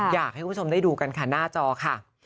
อยากให้คุณผู้ชมได้ดูกันค่ะหน้าจอค่ะ